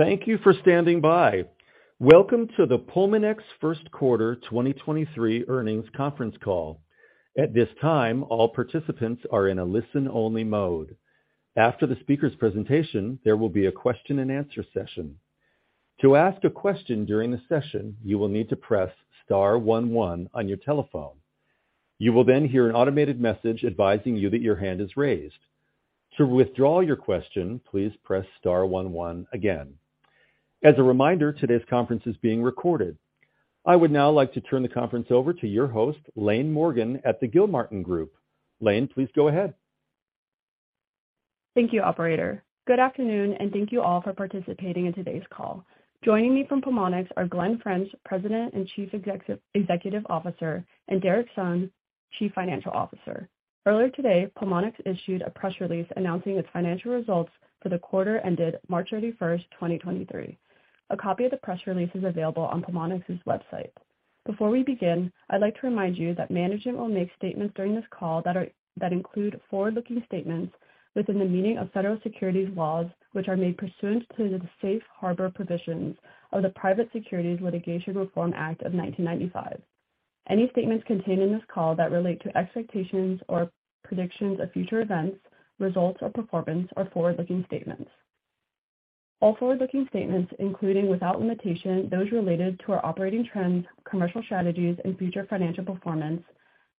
Thank you for standing by. Welcome to the Pulmonx first quarter 2023 earnings conference call. At this time, all participants are in a listen-only mode. After the speaker's presentation, there will be a question-and-answer session. To ask a question during the session, you will need to press star one one on your telephone. You will then hear an automated message advising you that your hand is raised. To withdraw your question, please press star one one again. As a reminder, today's conference is being recorded. I would now like to turn the conference over to your host, Laine Morgan at the Gilmartin Group. Laine, please go ahead. Thank you, operator. Good afternoon, thank you all for participating in today's call. Joining me from Pulmonx are Glen French, President and Chief Executive Officer, and Derrick Sung, Chief Financial Officer. Earlier today, Pulmonx issued a press release announcing its financial results for the quarter ended March 31st, 2023. A copy of the press release is available on Pulmonx's website. Before we begin, I'd like to remind you that management will make statements during this call that include forward-looking statements within the meaning of Federal securities laws, which are made pursuant to the safe harbor provisions of the Private Securities Litigation Reform Act of 1995. Any statements contained in this call that relate to expectations or predictions of future events, results or performance are forward-looking statements. All forward-looking statements, including, without limitation, those related to our operating trends, commercial strategies and future financial performance,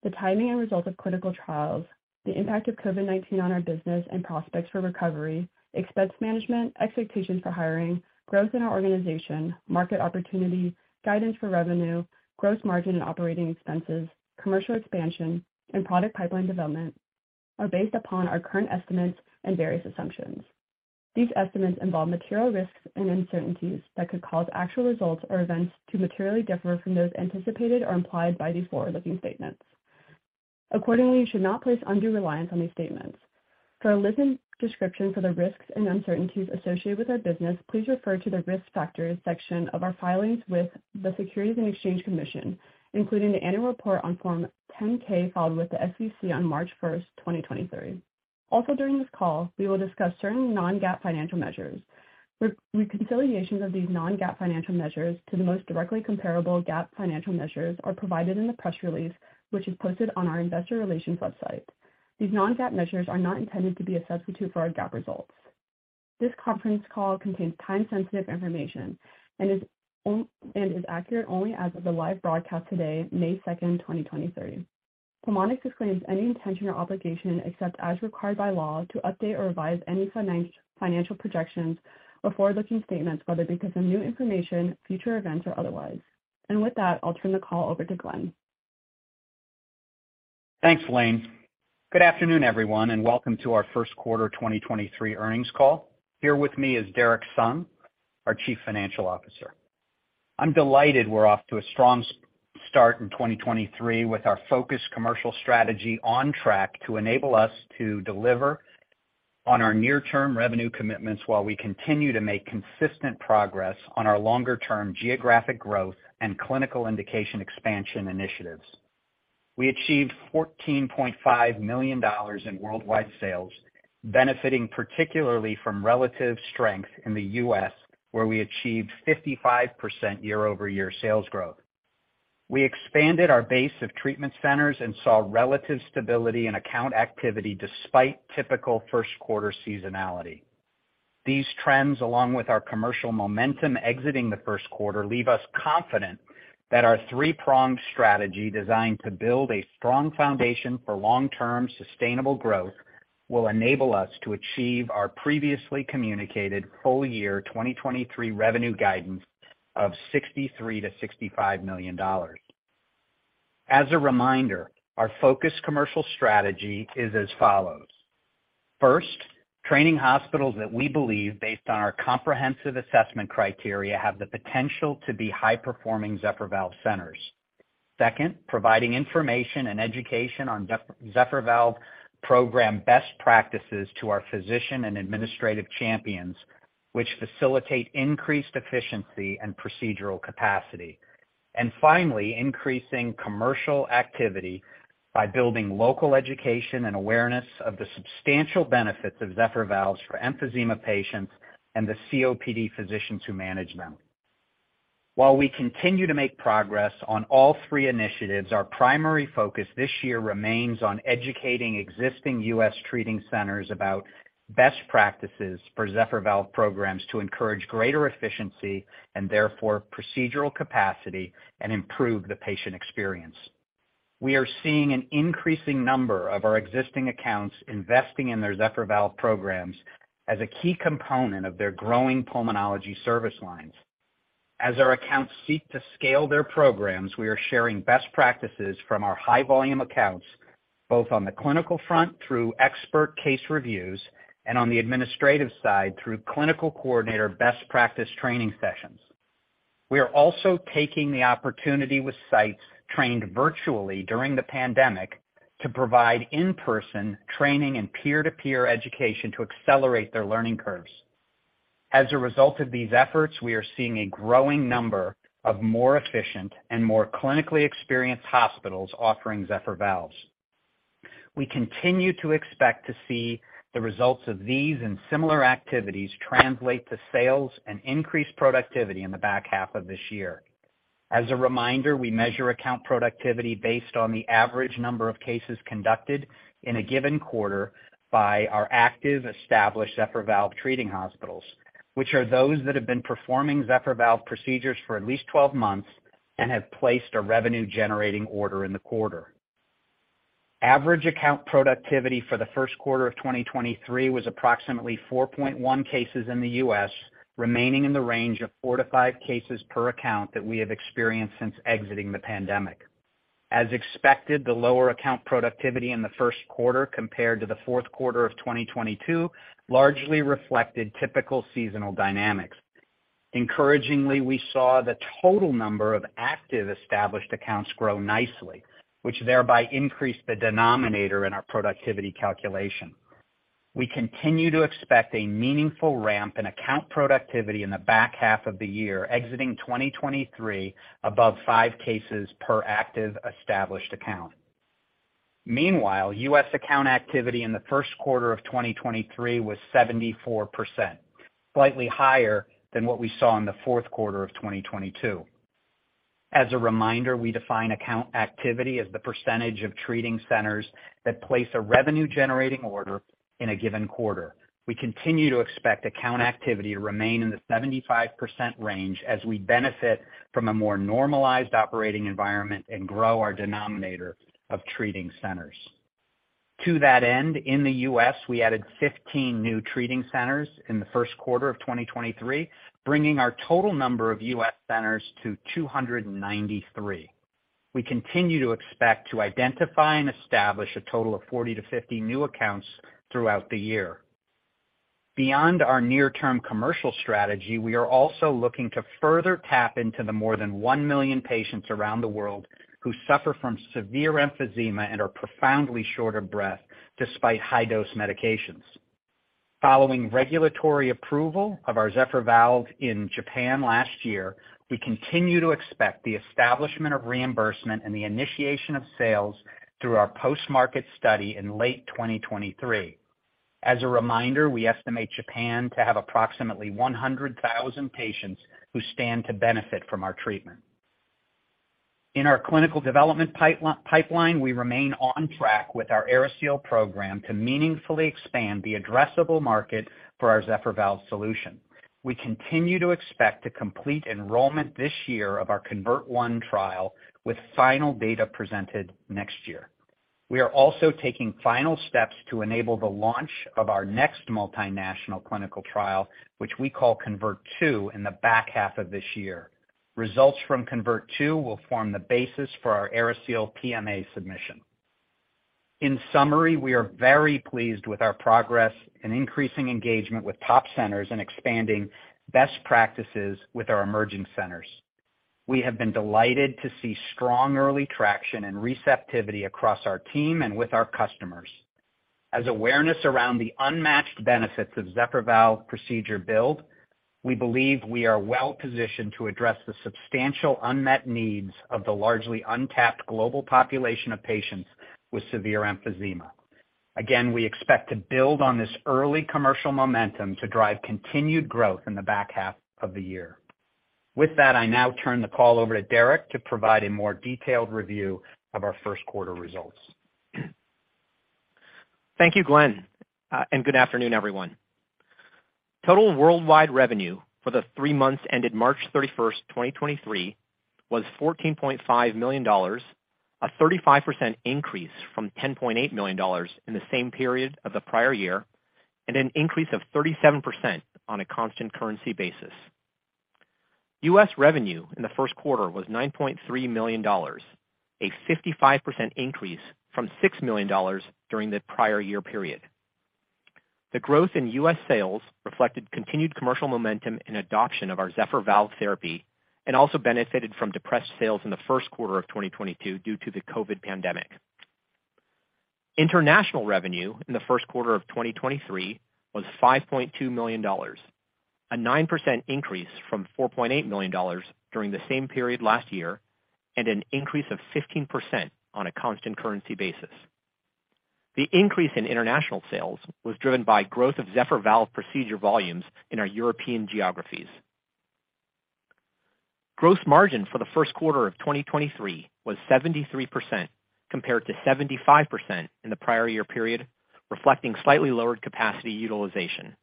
the timing and results of clinical trials, the impact of COVID-19 on our business and prospects for recovery, expense management, expectations for hiring, growth in our organization, market opportunity, guidance for revenue, gross margin and operating expenses, commercial expansion, and product pipeline development are based upon our current estimates and various assumptions. These estimates involve material risks and uncertainties that could cause actual results or events to materially differ from those anticipated or implied by these forward-looking statements. Accordingly, you should not place undue reliance on these statements. For a list and description for the risks and uncertainties associated with our business, please refer to the Risk Factors section of our filings with the Securities and Exchange Commission, including the annual report on Form 10-K filed with the SEC on March first, 2023. Also during this call, we will discuss certain non-GAAP financial measures. Reconciliations of these non-GAAP financial measures to the most directly comparable GAAP financial measures are provided in the press release, which is posted on our investor relations website. These non-GAAP measures are not intended to be a substitute for our GAAP results. This conference call contains time-sensitive information and is accurate only as of the live broadcast today, May second, 2023. Pulmonx disclaims any intention or obligation except as required by law to update or revise any financial projections or forward-looking statements, whether because of new information, future events or otherwise. With that, I'll turn the call over to Glen. Thanks, Laine. Good afternoon, everyone, and welcome to our first quarter 2023 earnings call. Here with me is Derrick Sung, our Chief Financial Officer. I'm delighted we're off to a strong start in 2023 with our focused commercial strategy on track to enable us to deliver on our near-term revenue commitments while we continue to make consistent progress on our longer-term geographic growth and clinical indication expansion initiatives. We achieved $14.5 million in worldwide sales, benefiting particularly from relative strength in the U.S., where we achieved 55% year-over-year sales growth. We expanded our base of treatment centers and saw relative stability in account activity despite typical first quarter seasonality. These trends, along with our commercial momentum exiting the first quarter, leave us confident that our three-pronged strategy designed to build a strong foundation for long-term sustainable growth will enable us to achieve our previously communicated full year 2023 revenue guidance of $63 million-$65 million. As a reminder, our focused commercial strategy is as follows. First, training hospitals that we believe, based on our comprehensive assessment criteria, have the potential to be high-performing Zephyr Valve centers. Second, providing information and education on Zephyr Valve program best practices to our physician and administrative champions, which facilitate increased efficiency and procedural capacity. Finally, increasing commercial activity by building local education and awareness of the substantial benefits of Zephyr Valves for emphysema patients and the COPD physicians who manage them. While we continue to make progress on all three initiatives, our primary focus this year remains on educating existing U.S. treating centers about best practices for Zephyr Valve programs to encourage greater efficiency and therefore procedural capacity and improve the patient experience. We are seeing an increasing number of our existing accounts investing in their Zephyr Valve programs as a key component of their growing pulmonology service lines. As our accounts seek to scale their programs, we are sharing best practices from our high volume accounts, both on the clinical front through expert case reviews, and on the administrative side through clinical coordinator best practice training sessions. We are also taking the opportunity with sites trained virtually during the pandemic to provide in-person training and peer-to-peer education to accelerate their learning curves. As a result of these efforts, we are seeing a growing number of more efficient and more clinically experienced hospitals offering Zephyr Valves. We continue to expect to see the results of these and similar activities translate to sales and increased productivity in the back half of this year. As a reminder, we measure account productivity based on the average number of cases conducted in a given quarter by our active established Zephyr Valve treating hospitals, which are those that have been performing Zephyr Valve procedures for at least 12 months and have placed a revenue-generating order in the quarter. Average account productivity for the first quarter of 2023 was approximately 4.1 cases in the U.S., remaining in the range of 4-5 cases per account that we have experienced since exiting the pandemic. As expected, the lower account productivity in the 1st quarter compared to the 4th quarter of 2022 largely reflected typical seasonal dynamics. Encouragingly, we saw the total number of active established accounts grow nicely, which thereby increased the denominator in our productivity calculation. We continue to expect a meaningful ramp in account productivity in the back half of the year, exiting 2023 above 5 cases per active established account. Meanwhile, U.S. account activity in the 1st quarter of 2023 was 74%, slightly higher than what we saw in the 4th quarter of 2022. As a reminder, we define account activity as the percentage of treating centers that place a revenue-generating order in a given quarter. We continue to expect account activity to remain in the 75% range as we benefit from a more normalized operating environment and grow our denominator of treating centers. To that end, in the U.S., we added 15 new treating centers in the first quarter of 2023, bringing our total number of U.S. centers to 293. We continue to expect to identify and establish a total of 40 to 50 new accounts throughout the year. Beyond our near term commercial strategy, we are also looking to further tap into the more than 1 million patients around the world who suffer from severe emphysema and are profoundly short of breath despite high dose medications. Following regulatory approval of our Zephyr Valve in Japan last year, we continue to expect the establishment of reimbursement and the initiation of sales through our post-market study in late 2023. As a reminder, we estimate Japan to have approximately 100,000 patients who stand to benefit from our treatment. In our clinical development pipeline, we remain on track with our AeriSeal program to meaningfully expand the addressable market for our Zephyr Valve solution. We continue to expect to complete enrollment this year of our CONVERT-1 trial with final data presented next year. We are also taking final steps to enable the launch of our next multinational clinical trial, which we call CONVERT II, in the back half of this year. Results from CONVERT II will form the basis for our AeriSeal PMA submission. In summary, we are very pleased with our progress in increasing engagement with top centers and expanding best practices with our emerging centers. We have been delighted to see strong early traction and receptivity across our team and with our customers. As awareness around the unmatched benefits of Zephyr Valve procedure build, we believe we are well positioned to address the substantial unmet needs of the largely untapped global population of patients with severe emphysema. Again, we expect to build on this early commercial momentum to drive continued growth in the back half of the year. With that, I now turn the call over to Derrick to provide a more detailed review of our first quarter results. Thank you, Glen, good afternoon, everyone. Total worldwide revenue for the three months ended March 31st, 2023, was $14.5 million, a 35% increase from $10.8 million in the same period of the prior year, and an increase of 37% on a constant currency basis. U.S. revenue in the first quarter was $9.3 million, a 55% increase from $6 million during the prior year period. The growth in U.S. sales reflected continued commercial momentum and adoption of our Zephyr Valve therapy, and also benefited from depressed sales in the first quarter of 2022 due to the COVID pandemic. International revenue in the first quarter of 2023 was $5.2 million, a 9% increase from $4.8 million during the same period last year, an increase of 15% on a constant currency basis. The increase in international sales was driven by growth of Zephyr Valve procedure volumes in our European geographies. Gross margin for the first quarter of 2023 was 73% compared to 75% in the prior year period, reflecting slightly lowered capacity utilization.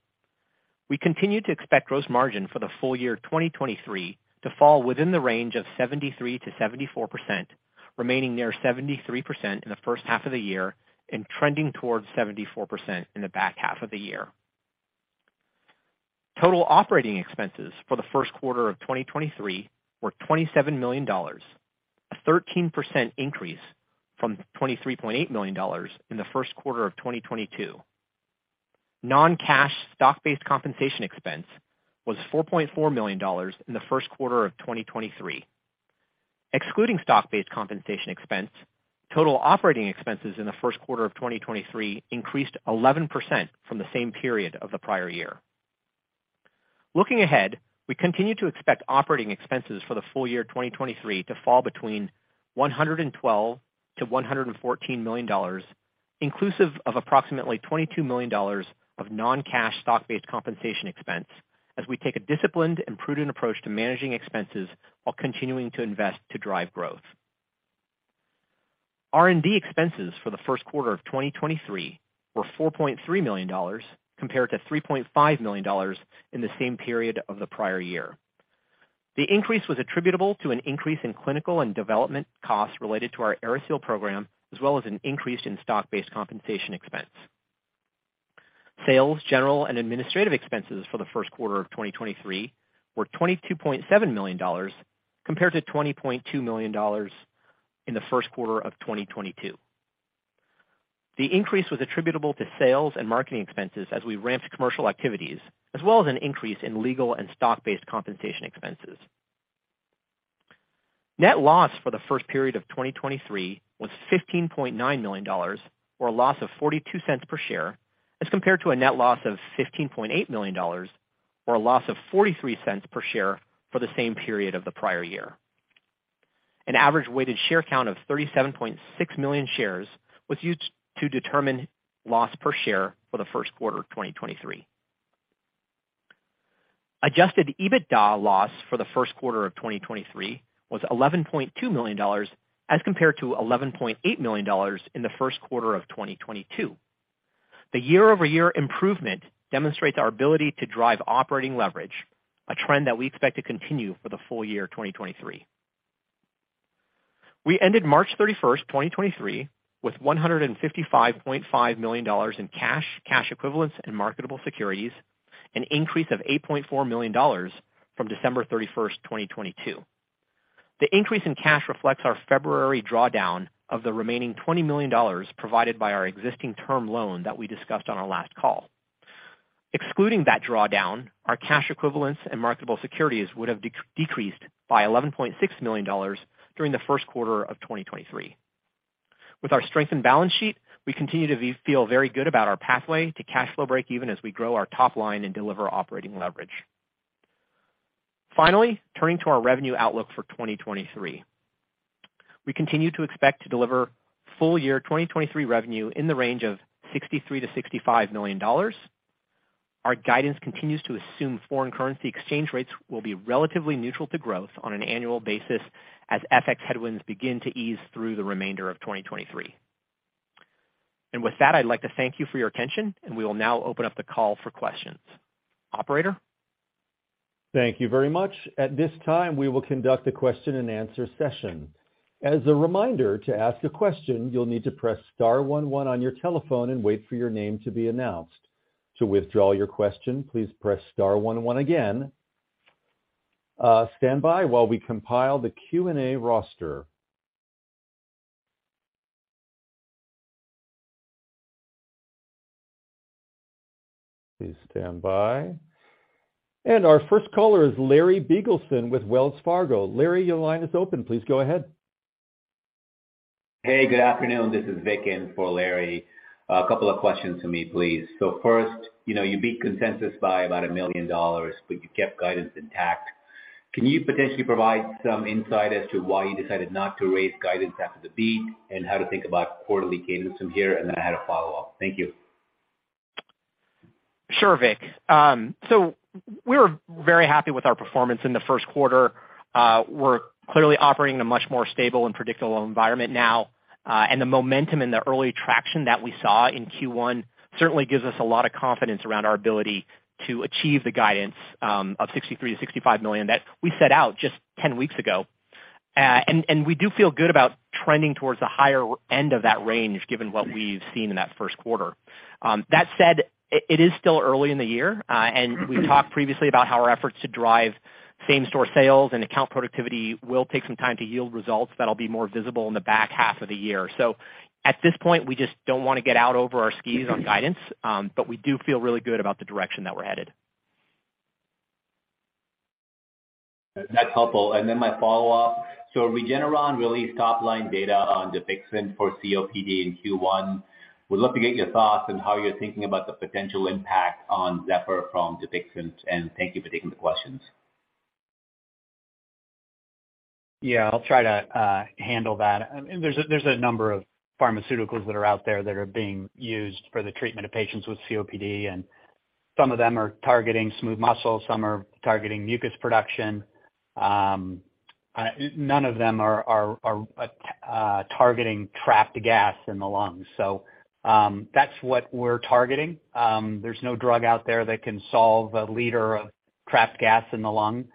We continue to expect gross margin for the full year of 2023 to fall within the range of 73%-74%, remaining near 73% in the first half of the year and trending towards 74% in the back half of the year. Total operating expenses for the first quarter of 2023 were $27 million, a 13% increase from $23.8 million in the first quarter of 2022. Non-cash stock-based compensation expense was $4.4 million in the first quarter of 2023. Excluding stock-based compensation expense, total operating expenses in the first quarter of 2023 increased 11% from the same period of the prior year. Looking ahead, we continue to expect operating expenses for the full year 2023 to fall between $112 million-$114 million, inclusive of approximately $22 million of non-cash stock-based compensation expense as we take a disciplined and prudent approach to managing expenses while continuing to invest to drive growth. R&D expenses for the first quarter of 2023 were $4.3 million compared to $3.5 million in the same period of the prior year. The increase was attributable to an increase in clinical and development costs related to our AeriSeal program, as well as an increase in stock-based compensation expense. Sales, general and administrative expenses for the first quarter of 2023 were $22.7 million compared to $20.2 million in the first quarter of 2022. The increase was attributable to sales and marketing expenses as we ramped commercial activities as well as an increase in legal and stock-based compensation expenses. Net loss for the first period of 2023 was $15.9 million or a loss of $0.42 per share as compared to a net loss of $15.8 million or a loss of $0.43 per share for the same period of the prior year. An average weighted share count of 37.6 million shares was used to determine loss per share for the first quarter of 2023. Adjusted EBITDA loss for the first quarter of 2023 was $11.2 million as compared to $11.8 million in the first quarter of 2022. The year-over-year improvement demonstrates our ability to drive operating leverage, a trend that we expect to continue for the full year 2023. We ended March 31, 2023 with $155.5 million in cash equivalents and marketable securities, an increase of $8.4 million from December 31, 2022. The increase in cash reflects our February drawdown of the remaining $20 million provided by our existing term loan that we discussed on our last call. Excluding that drawdown, our cash equivalents and marketable securities would have decreased by $11.6 million during the first quarter of 2023. With our strengthened balance sheet, we continue to feel very good about our pathway to cash flow break even as we grow our top line and deliver operating leverage. Finally, turning to our revenue outlook for 2023. We continue to expect to deliver full year 2023 revenue in the range of $63 million-$65 million. Our guidance continues to assume foreign currency exchange rates will be relatively neutral to growth on an annual basis as FX headwinds begin to ease through the remainder of 2023. With that, I'd like to thank you for your attention, and we will now open up the call for questions. Operator? Thank you very much. At this time, we will conduct a question and answer session. As a reminder, to ask a question, you'll need to press star one one on your telephone and wait for your name to be announced. To withdraw your question, please press star one one again. Stand by while we compile the Q&A roster. Please stand by. Our first caller is Larry Biegelsen with Wells Fargo. Larry, your line is open. Please go ahead. Hey, good afternoon. This is Vikin for Larry. A couple of questions to me, please. First, you know, you beat consensus by about $1 million, but you kept guidance intact. Can you potentially provide some insight as to why you decided not to raise guidance after the beat and how to think about quarterly cadence from here? I had a follow-up. Thank you. Sure, Vik. We were very happy with our performance in the first quarter. We're clearly operating in a much more stable and predictable environment now. The momentum and the early traction that we saw in Q1 certainly gives us a lot of confidence around our ability to achieve the guidance, of $63 million-$65 million that we set out just 10 weeks ago. We do feel good about trending towards the higher end of that range given what we've seen in that first quarter. That said, it is still early in the year, and we've talked previously about how our efforts to drive same-store sales and account productivity will take some time to yield results that'll be more visible in the back half of the year. At this point, we just don't wanna get out over our skis on guidance, but we do feel really good about the direction that we're headed. That's helpful. My follow-up. Regeneron released top-line data on Dupixent for COPD in Q1. Would love to get your thoughts on how you're thinking about the potential impact on Zephyr from Dupixent, and thank you for taking the questions. Yeah, I'll try to handle that. There's a number of pharmaceuticals that are out there that are being used for the treatment of patients with COPD, some of them are targeting smooth muscles, some are targeting mucus production. None of them are targeting trapped gas in the lungs. That's what we're targeting. There's no drug out there that can solve a liter of trapped gas in the lung.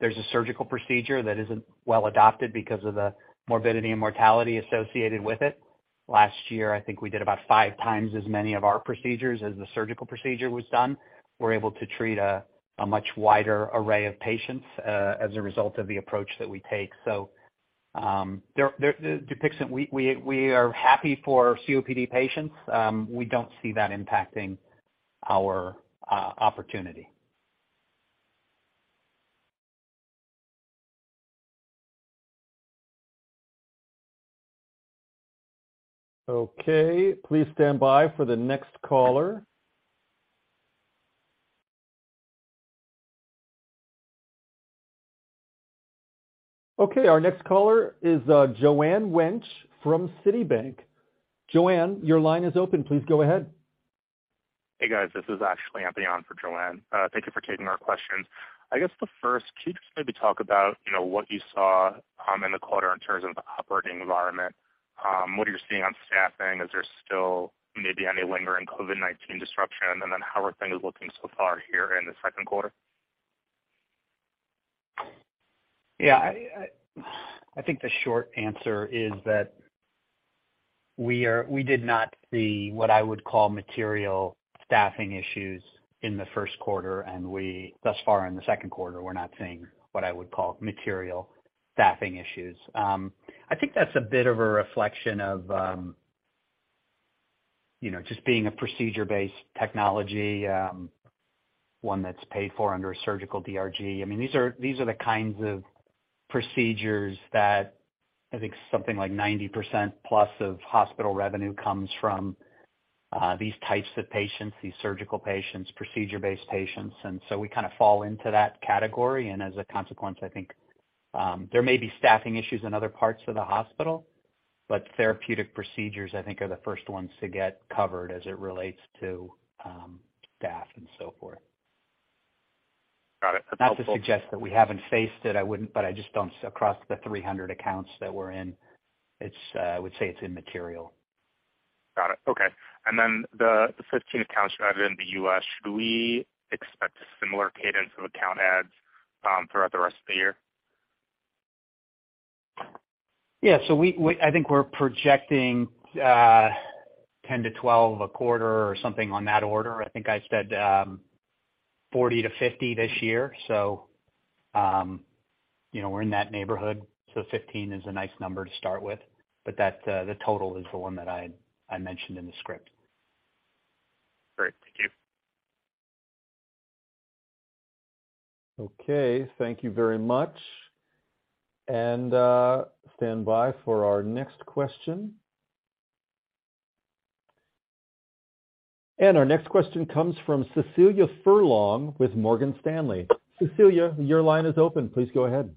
There's a surgical procedure that isn't well-adopted because of the morbidity and mortality associated with it. Last year, I think we did about five times as many of our procedures as the surgical procedure was done. We're able to treat a much wider array of patients as a result of the approach that we take. Dupixent, we are happy for COPD patients. We don't see that impacting our opportunity. Okay. Please stand by for the next caller. Okay, our next caller is Joanne Wuensch from Citibank. Joanne, your line is open. Please go ahead. Hey, guys. This is actually Anthony on for Joanne. Thank you for taking our questions. I guess the first, can you just maybe talk about, you know, what you saw in the quarter in terms of the operating environment, what are you seeing on staffing? Is there still maybe any lingering COVID-19 disruption? How are things looking so far here in the second quarter? Yeah. I think the short answer is that we did not see what I would call material staffing issues in the first quarter, and we thus far in the second quarter, we're not seeing what I would call material staffing issues. I think that's a bit of a reflection of, you know, just being a procedure-based technology, one that's paid for under a surgical DRG. I mean, these are the kinds of procedures that I think something like 90% plus of hospital revenue comes from, these types of patients, these surgical patients, procedure-based patients. So we kinda fall into that category. As a consequence, I think, there may be staffing issues in other parts of the hospital, but therapeutic procedures, I think, are the first ones to get covered as it relates to, staff and so forth. Got it. That's helpful. Not to suggest that we haven't faced it, I wouldn't--. I just don't s- across the 300 accounts that we're in, it's I would say it's immaterial. Got it. Okay. The 15 accounts you added in the U.S., should we expect a similar cadence of account adds throughout the rest of the year? Yeah. I think we're projecting 10-12 a quarter or something on that order. I think I said 40-50 this year. You know, we're in that neighborhood, so 15 is a nice number to start with. That, the total is the one that I mentioned in the script. Great. Thank you. Okay, thank you very much. Stand by for our next question. Our next question comes from Cecilia Furlong with Morgan Stanley. Cecilia, your line is open. Please go ahead.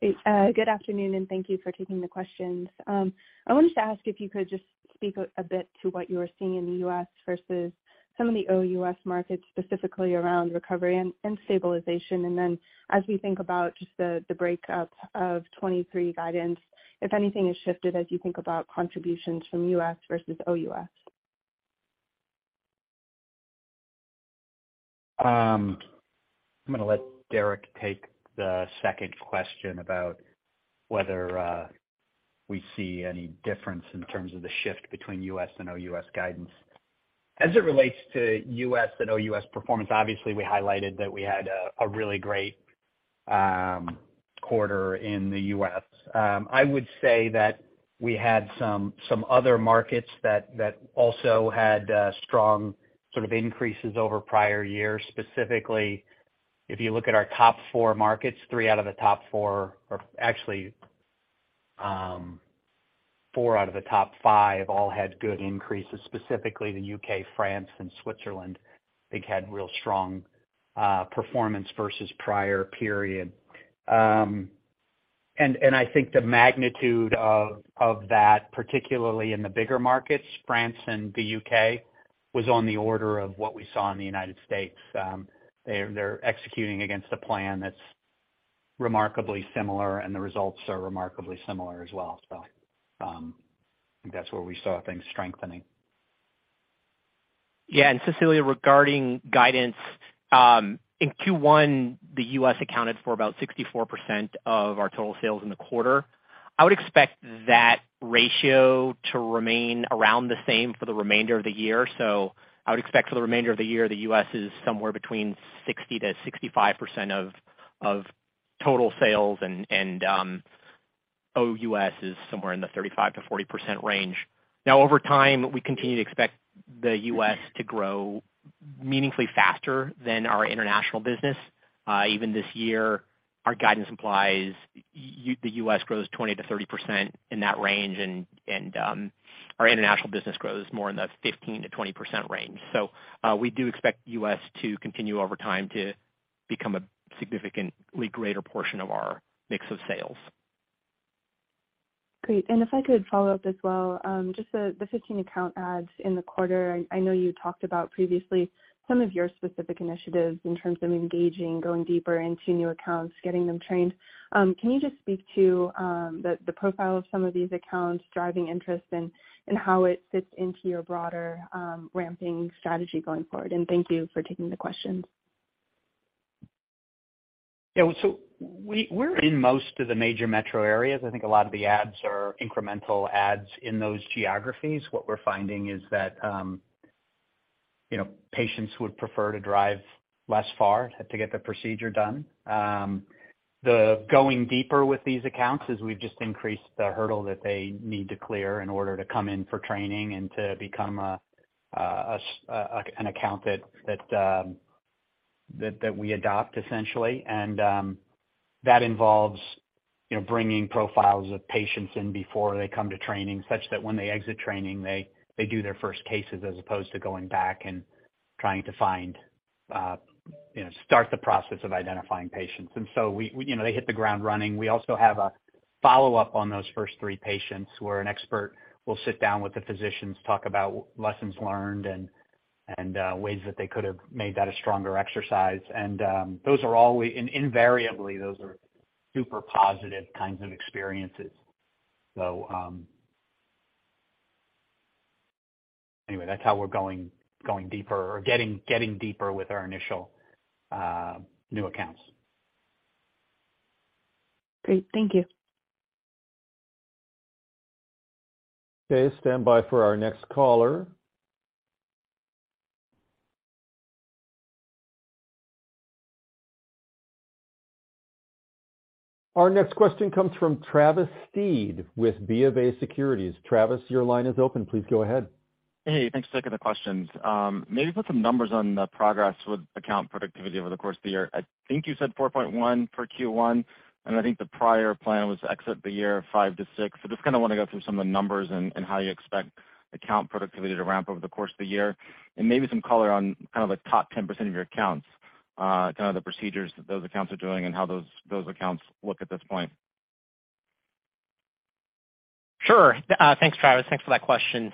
Hey. Good afternoon, and thank you for taking the questions. I wanted to ask if you could just speak a bit to what you are seeing in the U.S. versus some of the OUS markets, specifically around recovery and stabilization. As we think about just the breakup of 23 guidance, if anything has shifted as you think about contributions from U.S. versus OUS. I'm gonna let Derrick take the second question about whether we see any difference in terms of the shift between U.S. and OUS guidance. As it relates to U.S. and OUS performance, obviously, we highlighted that we had a really great quarter in the U.S. I would say that we had some other markets that also had strong sort of increases over prior years. Specifically, if you look at our top 4 markets, 3 out of the top 4 or actually, 4 out of the top 5 all had good increases, specifically the U.K., France, and Switzerland, I think had real strong performance versus prior period. I think the magnitude of that, particularly in the bigger markets, France and the U.K., was on the order of what we saw in the United States. They're executing against a plan that's remarkably similar, and the results are remarkably similar as well. I think that's where we saw things strengthening. Yeah. Cecilia, regarding guidance, in Q1, the U.S. accounted for about 64% of our total sales in the quarter. I would expect that ratio to remain around the same for the remainder of the year. I would expect for the remainder of the year, the U.S. is somewhere between 60%-65% of total sales and OUS is somewhere in the 35%-40% range. Over time, we continue to expect the U.S. to grow meaningfully faster than our international business. Even this year, our guidance implies the U.S. grows 20%-30% in that range and our international business grows more in the 15%-20% range. We do expect U.S. to continue over time to become a significantly greater portion of our mix of sales. Great. If I could follow up as well, just the 15 account adds in the quarter. I know you talked about previously some of your specific initiatives in terms of engaging, going deeper into new accounts, getting them trained. Can you just speak to the profile of some of these accounts driving interest and how it fits into your broader ramping strategy going forward? Thank you for taking the questions. Yeah. We're in most of the major metro areas. I think a lot of the adds are incremental adds in those geographies. What we're finding is that, you know, patients would prefer to drive less far to get the procedure done. The going deeper with these accounts is we've just increased the hurdle that they need to clear in order to come in for training and to become an account that. That we adopt essentially. That involves, you know, bringing profiles of patients in before they come to training, such that when they exit training, they do their first cases as opposed to going back and trying to find, you know, start the process of identifying patients. You know, they hit the ground running. We also have a follow-up on those first three patients, where an expert will sit down with the physicians, talk about lessons learned and ways that they could have made that a stronger exercise. Those are all we-- and invariably, those are super positive kinds of experiences. Anyway, that's how we're going deeper or getting deeper with our initial new accounts. Great. Thank you. Okay, stand by for our next caller. Our next question comes from Travis Steed with BofA Securities. Travis, your line is open. Please go ahead. Hey, thanks for taking the questions. Maybe put some numbers on the progress with account productivity over the course of the year. I think you said 4.1 for Q1, and I think the prior plan was to exit the year 5-6. Just kinda wanna go through some of the numbers and how you expect account productivity to ramp over the course of the year. Maybe some color on kind of the top 10% of your accounts, kind of the procedures that those accounts are doing and how those accounts look at this point. Sure. Thanks, Travis. Thanks for that question.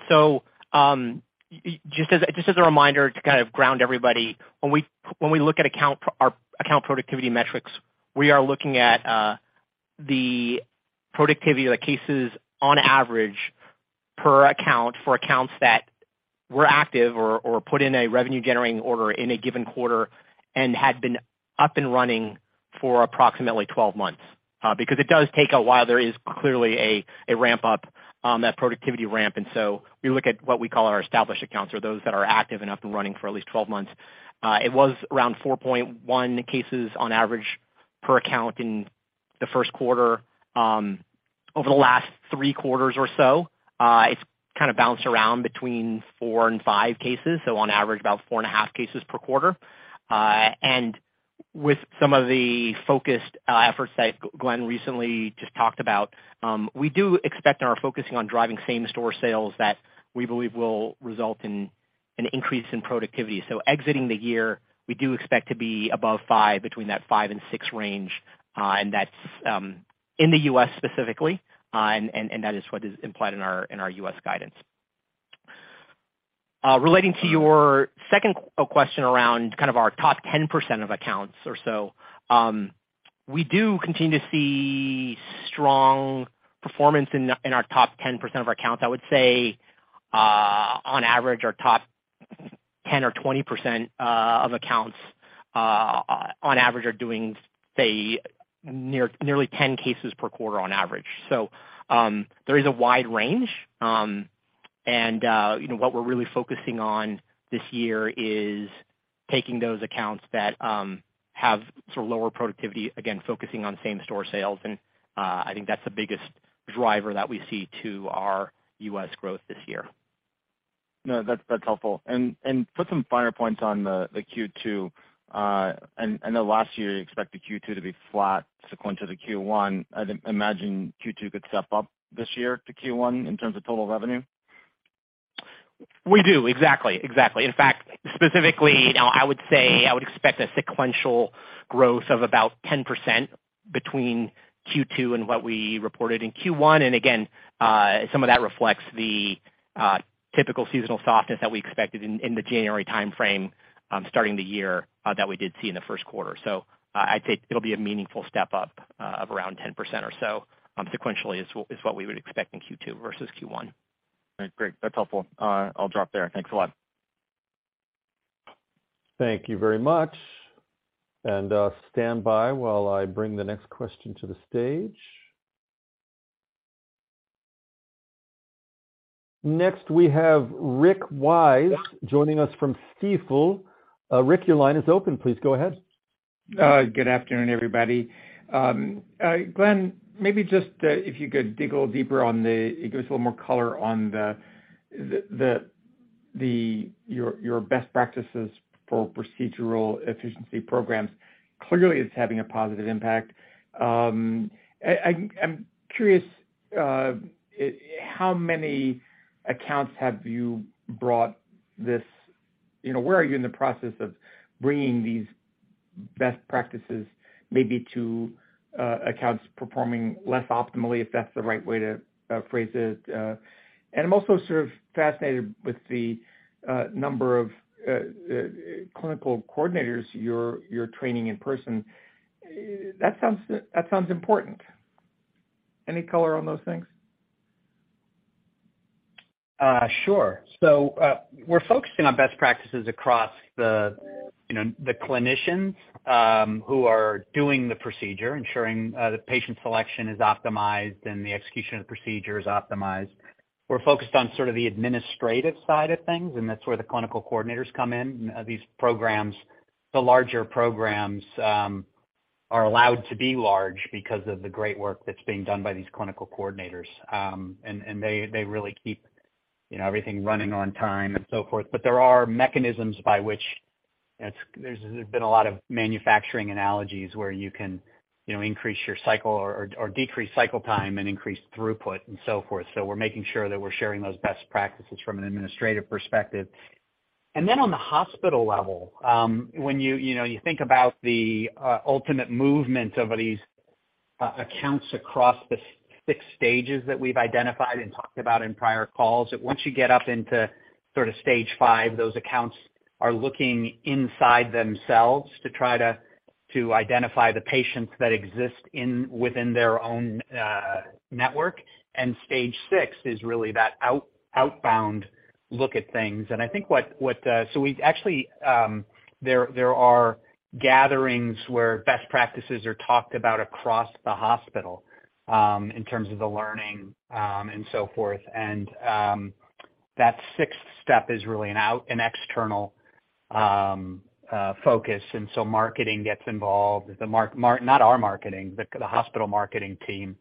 Just as a reminder to kind of ground everybody, when we look at account productivity metrics, we are looking at the productivity of the cases on average per account for accounts that were active or put in a revenue-generating order in a given quarter and had been up and running for approximately 12 months. Because it does take a while. There is clearly a ramp-up on that productivity ramp, and we look at what we call our established accounts or those that are active and up and running for at least 12 months. It was around 4.1 cases on average per account in the first quarter. Over the last 3 quarters or so, it's kinda bounced around between 4 and 5 cases, so on average about 4 and a half cases per quarter. With some of the focused efforts that Glen recently just talked about, we do expect in our focusing on driving same-store sales that we believe will result in an increase in productivity. Exiting the year, we do expect to be above 5, between that 5 and 6 range, and that's in the U.S. specifically, and that is what is implied in our, in our U.S. guidance. Relating to your second question around kind of our top 10% of accounts or so, we do continue to see strong performance in our top 10% of our accounts. I would say, on average, our top 10 or 20% of accounts, on average are doing, say, nearly 10 cases per quarter on average. There is a wide range. You know, what we're really focusing on this year is taking those accounts that have sort of lower productivity, again, focusing on same-store sales, I think that's the biggest driver that we see to our U.S. growth this year. No, that's helpful. Put some finer points on the Q2. The last year, you expected Q2 to be flat sequential to Q1. I'd imagine Q2 could step up this year to Q1 in terms of total revenue? We do. Exactly, exactly. In fact, specifically, you know, I would say I would expect a sequential growth of about 10% between Q2 and what we reported in Q1. Again, some of that reflects the typical seasonal softness that we expected in the January timeframe, starting the year, that we did see in the first quarter. I'd say it'll be a meaningful step up of around 10% or so, sequentially is what we would expect in Q2 versus Q1. All right, great. That's helpful. I'll drop there. Thanks a lot. Thank you very much. Stand by while I bring the next question to the stage. Next, we have Rick Wise joining us from Stifel. Rick, your line is open. Please go ahead. Good afternoon, everybody. Glen, maybe just, if you could dig a little deeper on the... Give us a little more color on your best practices for procedural efficiency programs. Clearly it's having a positive impact. I'm curious, how many accounts have you brought this... You know, where are you in the process of bringing these best practices maybe to accounts performing less optimally, if that's the right way to phrase it? And I'm also sort of fascinated with the clinical coordinators you're training in person. That sounds, that sounds important. Any color on those things? Sure. We're focusing on best practices across the, you know, the clinicians, who are doing the procedure, ensuring the patient selection is optimized and the execution of the procedure is optimized. We're focused on sort of the administrative side of things, that's where the clinical coordinators come in. These programs, the larger programs, are allowed to be large because of the great work that's being done by these clinical coordinators. They really keep You know, everything running on time and so forth. But there are mechanisms by which there's been a lot of manufacturing analogies where you can, you know, increase your cycle or decrease cycle time and increase throughput and so forth. So we're making sure that we're sharing those best practices from an administrative perspective. And then on the hospital level, when you know, you think about the ultimate movement of these accounts across the six stages that we've identified and talked about in prior calls, that once you get up into sort of stage five, those accounts are looking inside themselves to try to identify the patients that exist within their own network. And stage six is really that outbound look at things. And I think what. We've actually, there are gatherings where best practices are talked about across the hospital, in terms of the learning, and so forth. That sixth step is really an external focus. Marketing gets involved. The marketing, not our marketing, the hospital marketing team.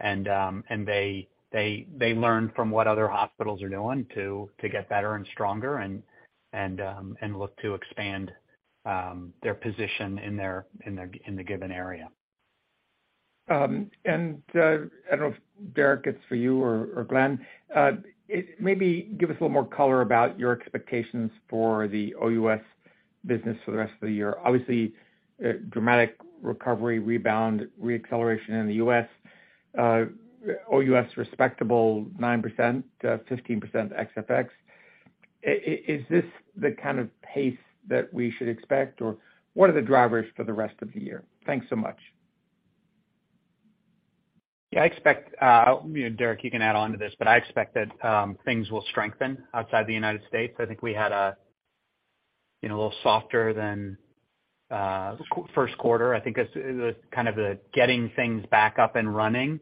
They learn from what other hospitals are doing to get better and stronger and look to expand their position in their, in the given area. I don't know if Derrick, it's for you or Glen. Maybe give us a little more color about your expectations for the OUS business for the rest of the year. Obviously, a dramatic recovery, rebound, re-acceleration in the US. OUS respectable 9%-15% ex FX. Is this the kind of pace that we should expect, or what are the drivers for the rest of the year? Thanks so much. Yeah, I expect, you know, Derrick, you can add on to this, but I expect that things will strengthen outside the United States. I think we had a, you know, a little softer than first quarter. I think it's kind of the getting things back up and running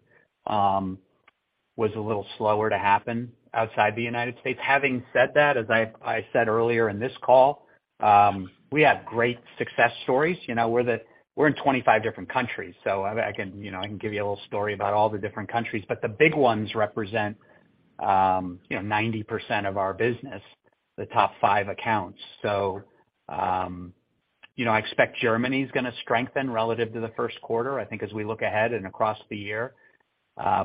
was a little slower to happen outside the United States. Having said that, as I said earlier in this call, we have great success stories. You know, we're in 25 different countries, so I can, you know, I can give you a little story about all the different countries. The big ones represent, you know, 90% of our business, the top 5 accounts. I expect Germany is gonna strengthen relative to the first quarter. I think as we look ahead and across the year,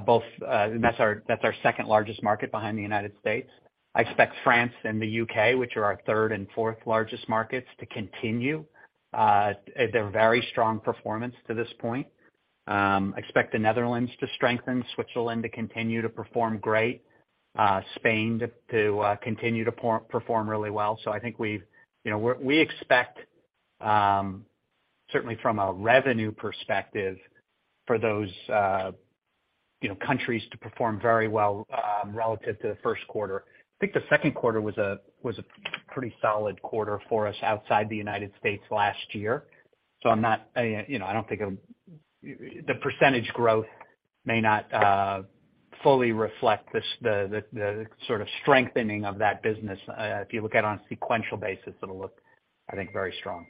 both, that's our, that's our second largest market behind the United States. I expect France and the UK, which are our third and fourth largest markets, to continue their very strong performance to this point. Expect the Netherlands to strengthen, Switzerland to continue to perform great, Spain to continue to perform really well. I think we've, you know, we expect, certainly from a revenue perspective for those, you know, countries to perform very well, relative to the first quarter. I think the second quarter was a pretty solid quarter for us outside the United States last year. I'm not, you know, I don't think it would... The percentage growth may not fully reflect this, the sort of strengthening of that business. If you look at it on a sequential basis, it'll look, I think, very strong.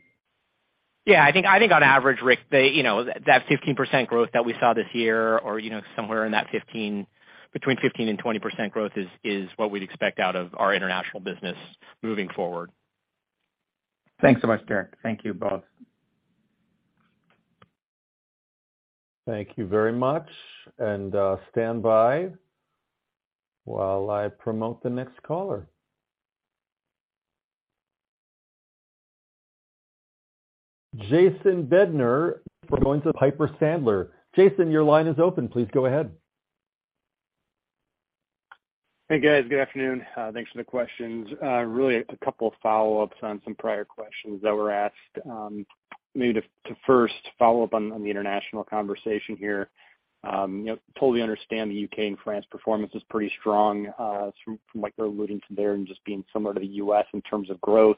Yeah, I think on average, Rick, they, you know, that 15% growth that we saw this year or, you know, somewhere in that between 15% and 20% growth is what we'd expect out of our international business moving forward. Thanks so much, Derrick. Thank you both. Thank you very much. Stand by while I promote the next caller. Jason Bednar from going to Piper Sandler. Jason, your line is open. Please go ahead. Hey, guys. Good afternoon. Thanks for the questions. Really a couple of follow-ups on some prior questions that were asked. Maybe to first follow up on the international conversation here. You know, totally understand the U.K. and France performance is pretty strong, from what you're alluding to there and just being similar to the U.S. in terms of growth.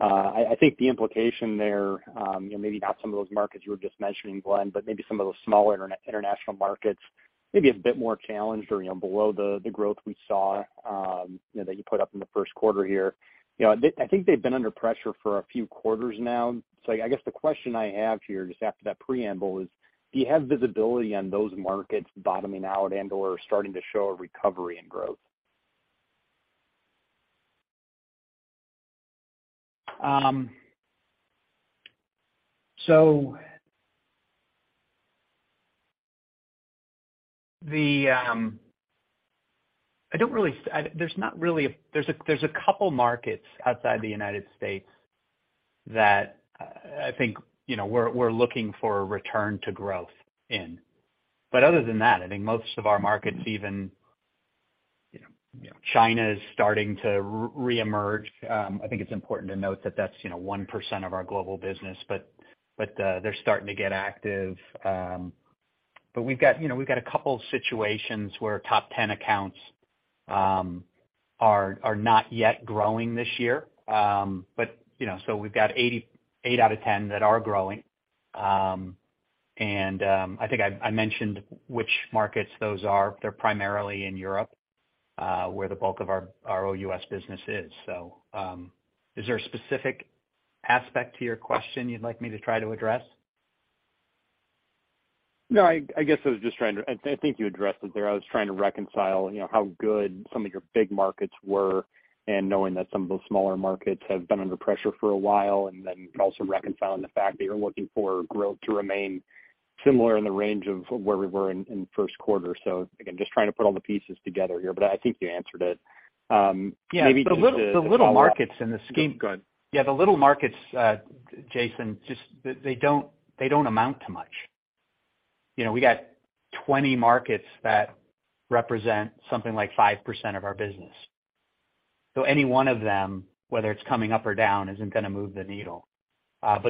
I think the implication there, you know, maybe not some of those markets you were just mentioning, Glen, but maybe some of those smaller inter-international markets maybe a bit more challenged or, you know, below the growth we saw, you know, that you put up in the first quarter here. You know, I think they've been under pressure for a few quarters now. I guess the question I have here, just after that preamble is, do you have visibility on those markets bottoming out and/or starting to show a recovery and growth? There's a couple markets outside the United States that I think, you know, we're looking for a return to growth in. Other than that, I think most of our markets, even, you know, China is starting to reemerge. I think it's important to note that that's, you know, 1% of our global business, but they're starting to get active. We've got, you know, we've got a couple of situations where top 10 accounts are not yet growing this year. You know, we've got 8 out of 10 that are growing. I think I mentioned which markets those are. They're primarily in Europe, where the bulk of our OUS business is. Is there a specific aspect to your question you'd like me to try to address? I guess I think you addressed it there. I was trying to reconcile, you know, how good some of your big markets were and knowing that some of those smaller markets have been under pressure for a while, and then also reconciling the fact that you're looking for growth to remain similar in the range of where we were in the first quarter. Again, just trying to put all the pieces together here, but I think you answered it. Maybe just to follow up. Yeah. The little markets in the scheme- Go ahead. Yeah, the little markets, Jason, they don't amount to much. You know, we got 20 markets that represent something like 5% of our business. Any one of them, whether it's coming up or down, isn't gonna move the needle.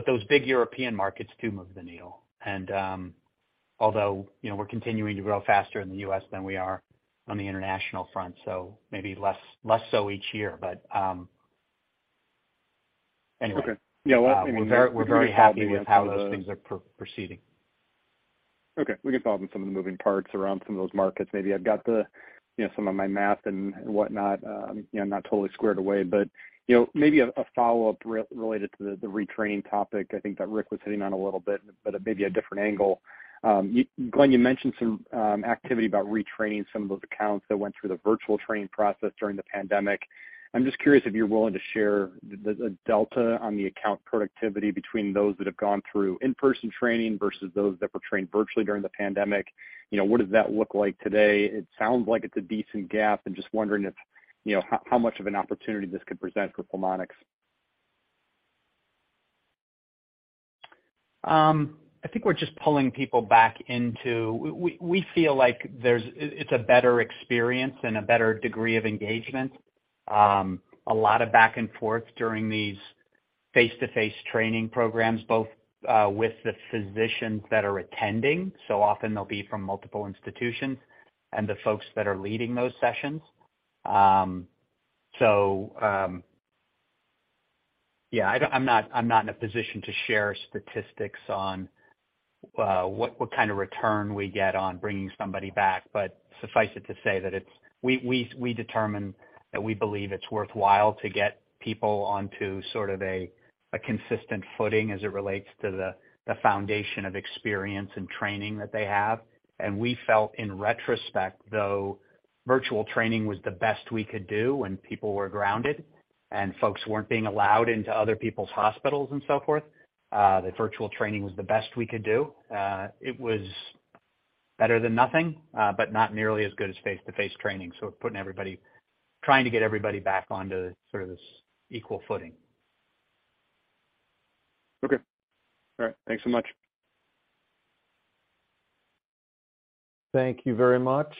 Those big European markets do move the needle. Although, you know, we're continuing to grow faster in the U.S. than we are on the international front, so maybe less so each year. Anyway. Okay. Yeah. Well, I mean, we. We're very happy with how those things are proceeding. Okay. We can solve some of the moving parts around some of those markets. Maybe I've got the, you know, some of my math and whatnot, you know, not totally squared away. You know, maybe a follow-up related to the retraining topic I think that Rick was hitting on a little bit, but maybe a different angle. Glen, you mentioned some activity about retraining some of those accounts that went through the virtual training process during the pandemic. I'm just curious if you're willing to share the delta on the account productivity between those that have gone through in-person training versus those that were trained virtually during the pandemic. You know, what does that look like today? It sounds like it's a decent gap. I'm just wondering if, you know, how much of an opportunity this could present for Pulmonx. I think we're just pulling people back into. We feel like there's a better experience and a better degree of engagement. A lot of back and forth during these face-to-face training programs, both with the physicians that are attending, so often they'll be from multiple institutions, and the folks that are leading those sessions. Yeah, I'm not in a position to share statistics on what kind of return we get on bringing somebody back. Suffice it to say that it's we determine that we believe it's worthwhile to get people onto sort of a consistent footing as it relates to the foundation of experience and training that they have. We felt in retrospect, though, virtual training was the best we could do when people were grounded and folks weren't being allowed into other people's hospitals and so forth, the virtual training was the best we could do. It was better than nothing, but not nearly as good as face-to-face training. trying to get everybody back onto sort of this equal footing. Okay. All right. Thanks so much. Thank you very much.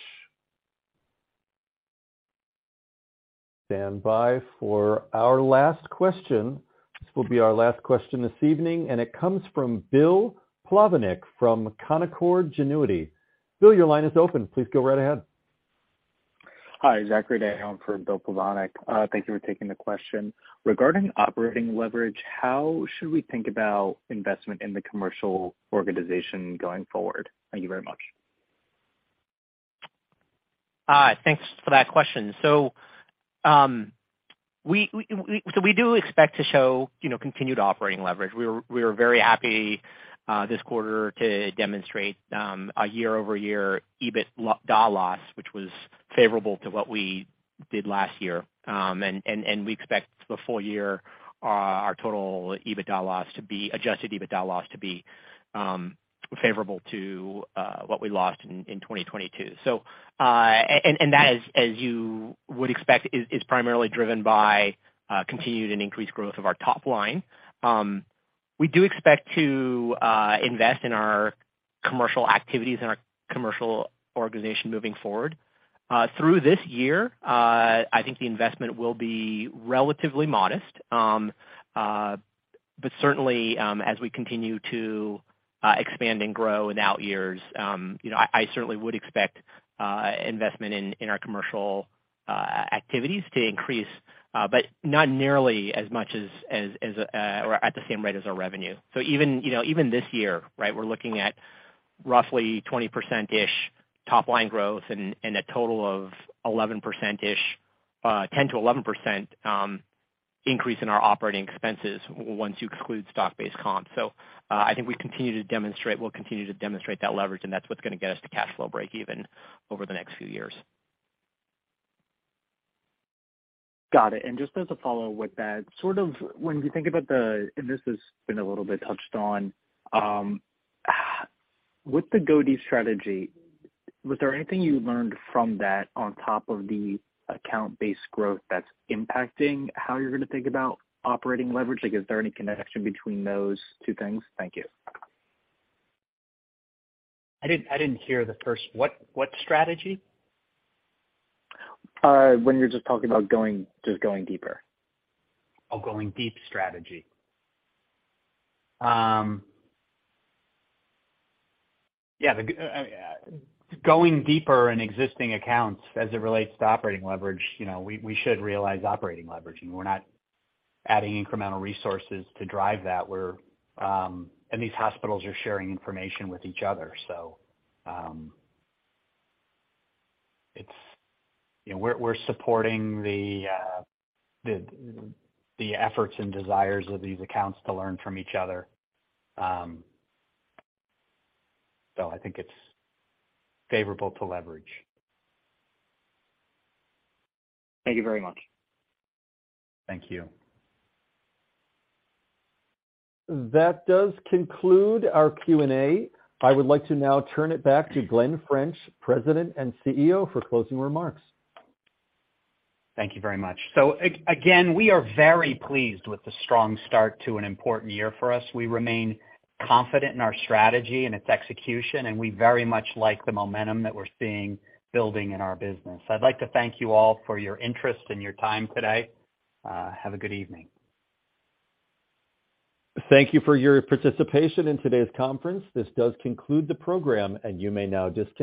Stand by for our last question. This will be our last question this evening, and it comes from Bill Plovanic from Canaccord Genuity. Bill, your line is open. Please go right ahead. Hi, Zachary Day for Bill Plovanic. Thank you for taking the question. Regarding operating leverage, how should we think about investment in the commercial organization going forward? Thank you very much. Thanks for that question. We do expect to show, you know, continued operating leverage. We were very happy this quarter to demonstrate a year-over-year EBITDA loss, which was favorable to what we did last year. We expect the full year adjusted EBITDA loss to be favorable to what we lost in 2022. That is, as you would expect is, primarily driven by continued and increased growth of our top line. We do expect to invest in our commercial activities and our commercial organization moving forward. Through this year, I think the investment will be relatively modest. Certainly, as we continue to expand and grow in out years, you know, I certainly would expect investment in our commercial activities to increase, but not nearly as much as, or at the same rate as our revenue. Even, you know, even this year, right, we're looking at roughly 20%-ish top line growth and a total of 11%-ish, 10%-11% increase in our operating expenses once you exclude stock-based comp. I think we'll continue to demonstrate that leverage, and that's what's gonna get us to cash flow break even over the next few years. Got it. Just as a follow with that, sort of when you think about, and this has been a little bit touched on, with the go deep strategy, was there anything you learned from that on top of the account-based growth that's impacting how you're gonna think about operating leverage? Like, is there any connection between those two things? Thank you. I didn't hear the first. What strategy? When you're just talking about going deeper. Going deep strategy. Yeah, the going deeper in existing accounts as it relates to operating leverage, you know, we should realize operating leverage. We're not adding incremental resources to drive that. We're. These hospitals are sharing information with each other. It's. You know, we're supporting the efforts and desires of these accounts to learn from each other. I think it's favorable to leverage. Thank you very much. Thank you. That does conclude our Q&A. I would like to now turn it back to Glen French, President and CEO, for closing remarks. Thank you very much. Again, we are very pleased with the strong start to an important year for us. We remain confident in our strategy and its execution, and we very much like the momentum that we're seeing building in our business. I'd like to thank you all for your interest and your time today. Have a good evening. Thank you for your participation in today's conference. This does conclude the program. You may now disconnect.